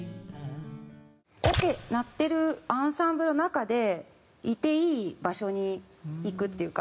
オケ鳴ってるアンサンブルの中でいていい場所にいくっていうか。